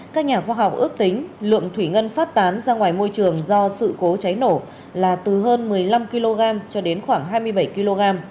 các nhà khoa học ước tính lượng thủy ngân phát tán ra ngoài môi trường do sự cố cháy nổ là từ hơn một mươi năm kg cho đến khoảng hai mươi bảy kg